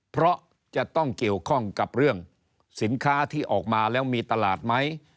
เพราะจะต้องเกี่ยวข้องกับเรื่องสินค้าที่ออกมาแล้วมีตลาดไหม